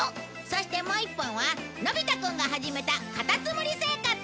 そしてもう一本はのび太くんが始めたカタツムリ生活！